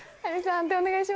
判定お願いします。